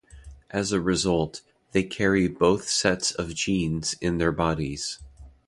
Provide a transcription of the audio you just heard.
As a result, they carry both sets of genes in their bodies.